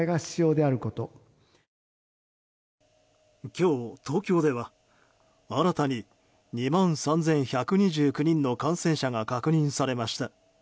今日、東京では新たに２万３１２９人の感染者が確認されました。